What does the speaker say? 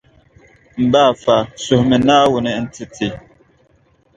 M ba afa, suhimi Naawuni n-ti ti.